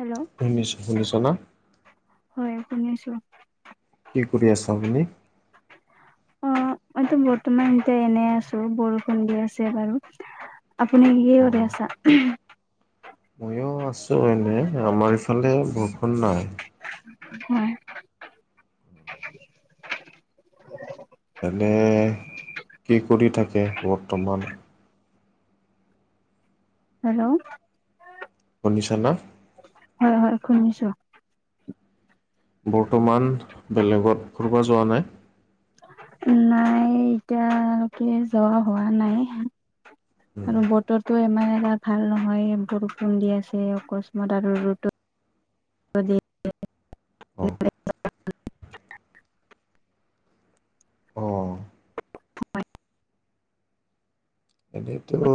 Hello English শুনিছ না হয়, শুনিছো। কি কৰি আছে আপুনি? অ মইটো বৰ্তমান এনেই আছোঁ। বৰষুণ দি আছে বাৰু আপুনি কিহে কৰি আছা। মইয়ো আছোঁ এনে, আমাৰ ইফালে বৰষুণ নাই। হয়। তেনে কি কৰি থাকে, বৰ্তমান হেল্ল শুনিছ না হয় হয়, শুনিছোঁ। বৰ্তমান বেলেগত ক'বাত যোৱা নাই। নাই এতিয়ালৈকে যোৱা হোৱা নাই আৰু বত বতৰটো ইমান এটা ভাল নহয়, বৰষুণ দি আছে। অকস্মাত আৰু ৰ'দত অহ অহ এইটোয়েতো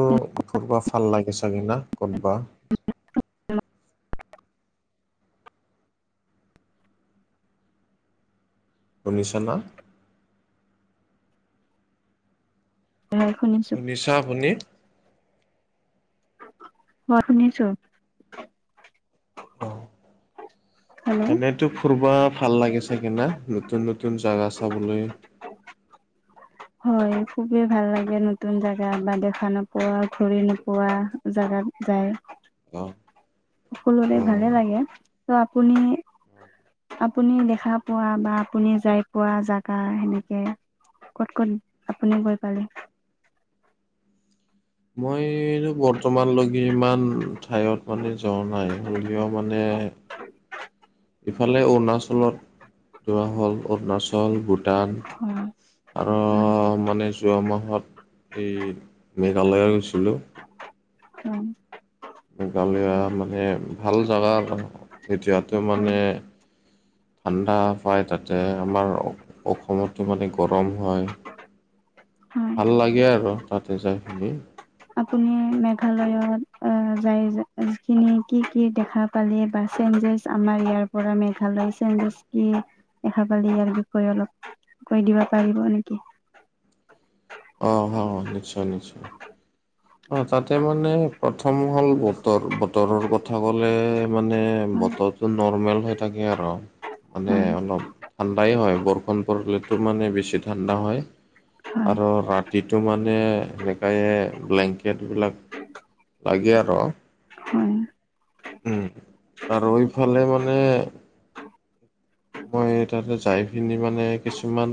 ফুৰবা ভাল লাগে চাগে না, কৰবাত [unintelligible] শুনিছা না। হয়, শুনি শুনিছা আপুনি হয়, শুনিছোঁ। অহ, হেল্ল' তেন্তে টো ফুৰবা ভাল লাগে চাগে না, নতুন নতুন জাগা চাবলে হয় খুবেই ভাল লাগে, নতুন জেগা বা দেখা নোপোৱা ঘূৰি নোপোৱা জাগাত যায় অহ সকলোৰে ভালে লাগে। তহ আপুনি আপুনি দেখা পোৱা বা আপুনি যাই পোৱা জেগা সেনেকে ক'ত ক'ত আপুনি গৈ পালে মইটো বৰ্তমানলৈকে ইমান ঠাইত মানে যোৱা নাই, হ'লেও মানে ইফালে অৰুণাচলত যোৱা হ'ল, অৰুণাচল, ভূটান হয় আৰু হয় মানে যোৱা মাহত এই মেঘালয় গৈছিলোঁ। অহ। মেঘালয় মানে ভাল জেগা আৰু এতিয়াতো হয় মানে ঠাণ্ডা পায়, তাতে আমাৰ অসমত থকা মানে গৰম হয়। হয় ভাল লাগে আৰু তাতে যাইকিনি আপুনি মেঘালয়ত আহ, যায় কিনি কি কি দেখা পালি বা চেঞ্জেছ আমাৰ ইয়াৰ পৰা মেঘালয় চেঞ্জেছ কি দেখা পালি ইয়াৰ বিষয় অলপ কৈ দিব পাৰিব নেকি অহ, ‌ হ নিশ্চয় নিশ্চয়। অ তাতে মানে প্ৰথম হ'ল বতৰ, বতৰৰ কথা ক'লে মানে হয় বতৰত। নৰ্মেল হৈ থাকে আৰু মানে হয় অলপ ঠাণ্ডাই হয়। বৰষুণ পৰিলেতো মানে বেছি ঠাণ্ডা হয়। হয় আৰু ৰাতিটো মানে এনেকাই ব্লেংক কেটবিলাক লাগে আৰু উম উম আৰু এইফালে মানে মই তাতে যাই পিনি মানে কিছুমান।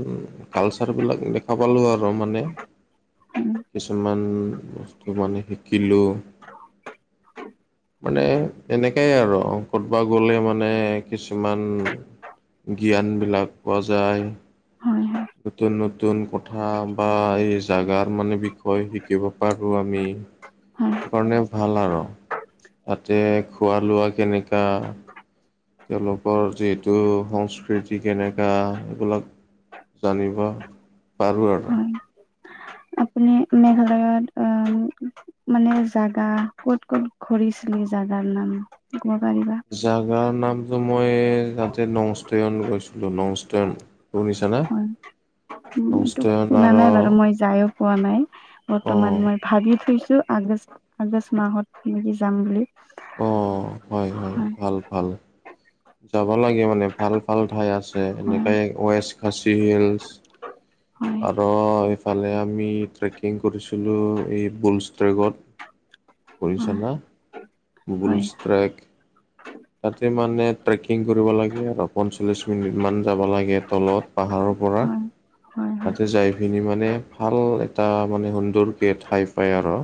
কালচাৰ বিলাক দেখা পালো আৰু মানে। কিছুমান বস্তু মানে শিকিলোঁ। মানে এনেকাই আৰু ক'ৰবাত গ'লে মানে কিছুমান জ্ঞানবিলাক পোৱা যায়। হয় হয় নতুন-নতুন কথা বা এই জাগাৰ মানে বিষয়ে শিকিব পাৰো আমি। হয় সেইকাৰণে ভাল আৰু তাতে খোৱা লোৱা কেনেকা। তেওঁলোকৰ যিহেতু সংস্কৃতি কেনেকা এইবিলাক জানিব পাৰোঁ আৰু। হয় [inaudible] আ মানে জাগা ক'ত-ক'ত ঘূৰিছিলি জাগাৰ নাম কব পাৰিবা। জাগা নামটো মই তাতে নংষ্টেন গৈছিলোঁ নংষ্টেন। শুনিছা নে? হয় এইটো শুনা নাই বাৰু মই যায়ও পোৱা নাই বৰ্তমান অ' মই ভাবি থৈছো। আগষ্ট-আগষ্ট মাহত নেকি যাম বুলি। অঁ-অঁ হয়-হয় হয় ভাল-ভাল। যাব লাগে মানে ভাল-ভাল ঠাই আছে হয় এনেকে ৱেষ্ট খাচি হিলচ। হয় আৰু এইফালে আমি ট্ৰেকিং কৰিছিলোঁ এই বুলছ ট্ৰেকত। হয় শুনিছানা হয় বুলচ ষ্ট্ৰেক। তাতে মানে ট্ৰেকিং কৰিব লাগে আৰু পঞ্চল্লিছ মিনিট মান যাব লাগে তলত পাহাৰৰ পৰা। হয় হয় হয় তাতে যাই পিনি মানে ভাল এটা মানে সুন্দৰকে ঠাই পায় আৰু৷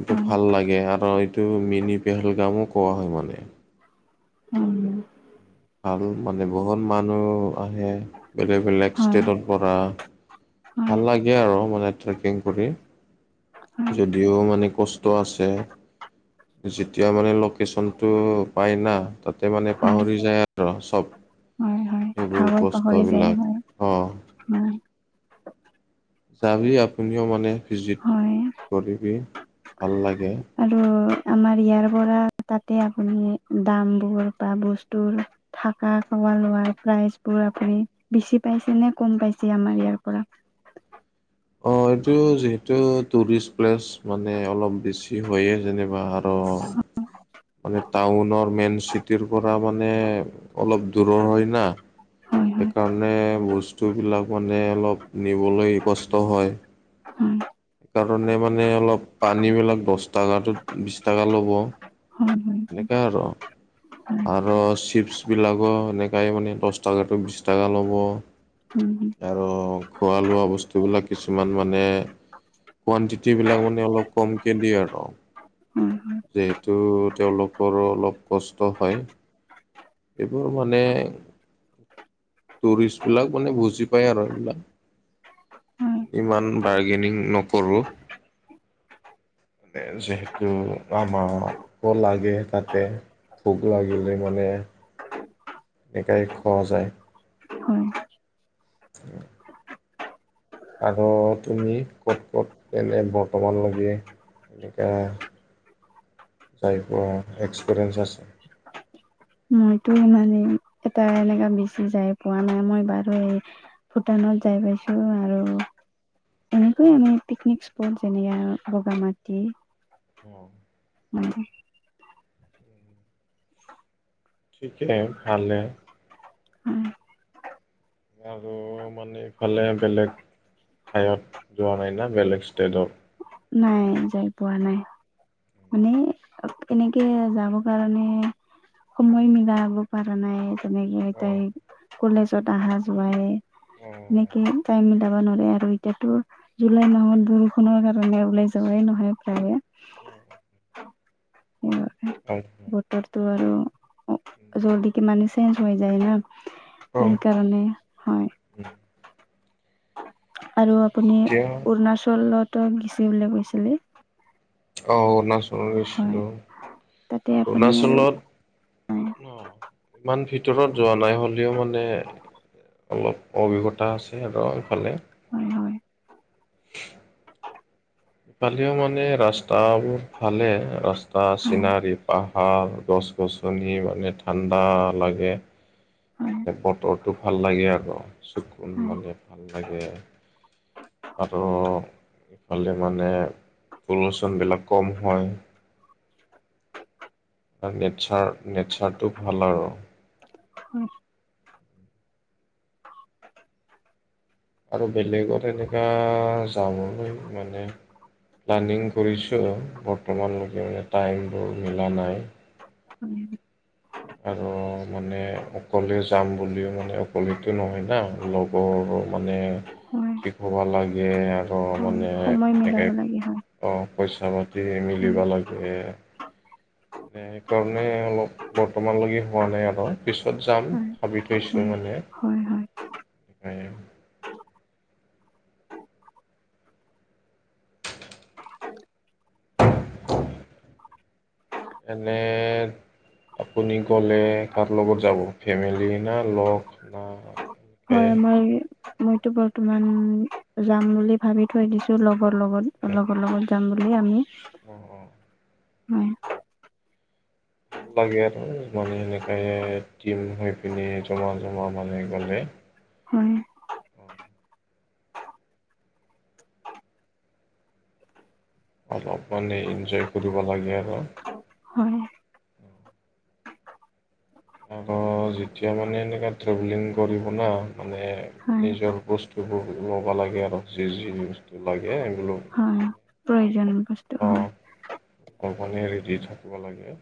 এইটো হয় ভাল লাগে আৰু এইটো মিনি পেহেলগামো কোৱা হয় মানে। উম। আৰু মানে বহুত মানুহ আহে বেলেগ-বেলেগ হয় ষ্টেটৰ পৰা। হয় ভাল লাগে আৰু মানে ট্ৰেকিং কৰি। হয় যদিও মানে কষ্ট আছে। যেতিয়া মানে লোকেশ্যনটো পাই না তাতে মানে হয় পাহৰি যায় আৰু চব। হয় হয় এইবোৰ কষ্টবিলাক। অ উম। যাবি আপুনিও মানে ভিজিট হয় কৰিবি ভাল লাগে। আৰু আমাৰ ইয়াৰ পৰা তাতে আপুনি দামবোৰ বা বস্তুবোৰ থাকা খাৱা লোৱা প্ৰাইজ বোৰ আপুনি বেছি পাইছে নে কম পাইছে আমাৰ ইয়াৰ পৰা। অ এইটো যিহেতু টুৰিষ্ট প্লেচ মানে অলপ বেছি হয় যেনিবা আৰু মানে টাউনৰ মেইন চিটিৰ পৰা মানে অলপ দূৰৰ হয় না। হয় হয় সেইকাৰণে বস্তুবিলাক মানে অলপ নিবলৈ কষ্ট হয়। হয় কাৰণে মানে অলপ পানী বিলাক দশ টকাটো বিশ টকা ল'ব। হয় হয় এনেকা আৰু৷ হয় আৰু চিপছ বিলাকো এনেকাই মানে দহ টকাটো বিশ টকা ল'ব। আৰু খোৱা লোৱা বস্তুবিলাক কিছুমান মানে কোৱানটিট বিলাক মানে অলপ কমকে দিয়ে আৰু৷ উম, যিহেতু তেওঁলোকৰো অলপ কষ্ট হয়। এইবোৰ মানে টুৰিষ্ট বিলাক মানে বুজি পায় আৰু এইবিলাক। হয় হয় ইমান বাৰ্গেনিং নকৰোঁ। যিহেতু আমাৰ কল লাগে তাতে। ভোক লাগিলে মানে বেকাৰীত খোৱা যায়। হয়। [inaudible] আৰু তুমি ক'ত- ক'ত এনে বৰ্তমানলেকে এনেকা, যাই পোৱা এক্সপিৰিয়েঞ্চ আছে। মইতো মানে এনেকা বেচি যাই পোৱা নাই। মই বাৰু এই ভূটানত যাই পাইছো আৰু এনেকৈ আমি পিকনিক স্পট যেনেকে বগামাটি অ। মানে ঠিকেই ভালে। আৰু মানে ইফালে বেলেগ ঠায়ত যোৱা নাই না বেলেগ ষ্টেটত। নাই। যাই পোৱা নাই। মানে তেনেকে যাব কাৰণেহে সময় মিলাব পাৰা নাই। তেনেকে অ', এটাই কলেজত আহা-যোৱা এ অ', এনেকে টাইমত যাব নৰে আৰু এতিয়াতো জুলাই মাহত বৰষুণৰ কাৰণে ওলাই যাৱাই নহয় প্ৰায়ে। [unintelligible] [unintelligible] [unintelligible] ৰটো আৰু জলদিকে মানে চেঞ্জ হৈ যায় না ত অ', সেইকাৰণে হয়। আৰু আপুনি যেতিয়া অৰুণাচলতটো গেছি বুলি গৈছিলি। অ অৰুণাচলত হয় গৈছিলোঁ। তাতে আপুনি আৰু অৰুণাচলত হয় অ ইমান ভিতৰত যোৱা নাই। হ'লিও মানে অলপ অভিজ্ঞতা আছে আৰু ইফালে। হয়, হয়। [inaudible] ইফালেও মানে ৰাস্তা বহুত ভালে ৰাস্তা হয় চিনাৰী পাহ আ গছ-গছনি মানে ঠাণ্ডা লাগে। হয় বতৰটো ভাল লাগে আৰু চকুন হয় মানে ভাল লাগে। আৰু ইফালে মানে পলুচনবিলাক কম হয়। তাৰ নেচাৰ নেচাৰটো ভাল আৰু। আৰু বেলেগত এনেকা যাবলৈ মানে প্লানিং কৰিছোঁ, বৰ্তমানলৈকে টাইমবোৰ মিলা নাই। [unintelligible] আৰু মানে অকলে যাম বুলিও মানে অকলেতো নহয় না। লগ গৰো মানে হয় ঠিক হ'বা লাগে আৰ অও হয় মানে সময় মিলাব এনেকে লাগে হয় অ পইচা-পাতি হয় মিলিব লাগে। সেইকাৰণে অলপ বৰ্তমানলৈকে হোৱা নাই আৰু পিছত যাম হয় ভাবি হয় থৈছো মানে। হয়, হয়। [unintelligible] এনে আপুনি গ'লে কাৰ লগত যাব ফেমেলি না লগ না এনেকৈ হয় মই মইতো বৰ্তমান যাম বুলি ভাবি থৈ দিছো লগৰ লগত লগৰ লগত যাম বুলি আমি অঁ-অঁ হয়৷ ভাল লাগে আৰু মানে সেনেকাই টিম হৈ পিনে জমা-জমা মানে গ'লে৷ হয়৷ অলপ মানে এনজয় কৰিব লাগে আৰু৷ হয়৷ আৰু যেতিয়া মানে এনেকুৱা ট্ৰেভেলিং কৰিব না মানে হয় নিজৰ বস্তুবোৰ ল'ব লাগে আৰু যি-যি বস্তু লাগে সেইবোৰ হয় প্ৰয়োজন বস্তু হয় অ [unintelligible] ৰেডি থাকিব লাগে৷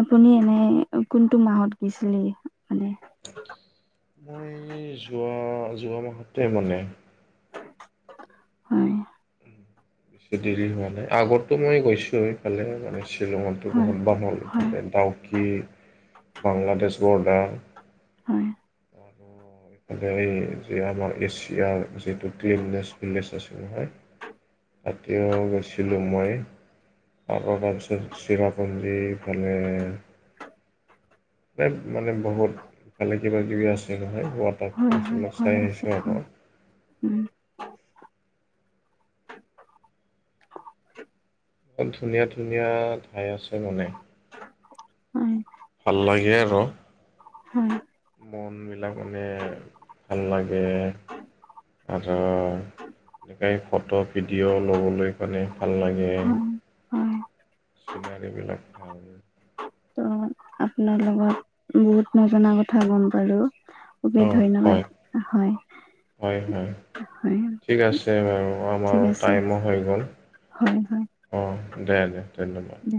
আপুনি এনে কোনটো মাহত গৈছিলে? মানে মই যোৱা-যোৱা মাহতে মানে৷ হয় ছ দেৰি হোৱা নাই আগতো মই গৈছোঁ এইফালে মানে শ্বিলঙো হয় বহুত বাৰ গলো হয় আৰু ডাউকি বাংলাদেশ বৰ্ডাৰ৷ হয় হেৰি যে আমাৰ এছিয়াৰ যিতু ক্লিননেছ ভিলেজ আছিল নহয় তাতেও গৈছিলোঁ মই৷ আকৌ তাৰপিছত চিৰাপুঞ্জীফালে মানে বহুত ভালে কিবাাকিবি আছে নহয় হয় ৱাটাৰফলচ হয় বিলাক হয় চাই আছে আহিছোঁ হয় আৰু৷ উম ধুনীয়া-ধুনীয়া ঠাই আছে মানে হয়। ভাল লাগে আৰু। হয় মনবিলাক মানে ভাল লাগে আৰু এনেকাই ফটো ভিডিঅ' ল'বলৈ মানে ভাল লাগে। হয় হয় চিনাৰি বিলাক ভাল৷ তো মানে আপোনাৰ লগত বহুত নজনা কথা গম পালোঁ৷ অঁ হয়-হয়-হয়৷ হয় ঠিক আছে বাৰু আমাৰ ঠিক আছে টাইমো হৈ গ'ল৷ হয় হয় অঁ দে-দে ধন্যবাদ৷ দে